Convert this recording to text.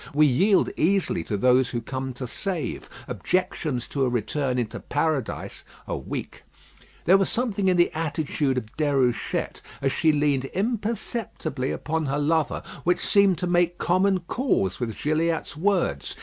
We yield easily to those who come to save. Objections to a return into Paradise are weak. There was something in the attitude of Déruchette, as she leaned imperceptibly upon her lover, which seemed to make common cause with Gilliatt's words.